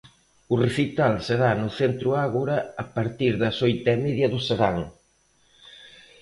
O recital será no Centro Ágora a partir das oito e media do serán.